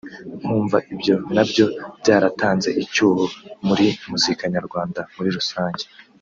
nkumva ibyo nabyo byaratanze icyuho muri muzika nyarwanda muri rusange